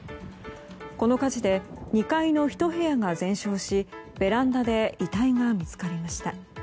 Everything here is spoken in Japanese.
この火事で２階の１部屋が全焼しベランダで遺体が見つかりました。